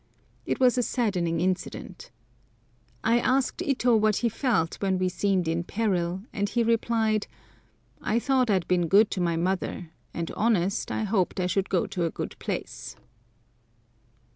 It was a saddening incident. I asked Ito what he felt when we seemed in peril, and he replied, "I thought I'd been good to my mother, and honest, and I hoped I should go to a good place."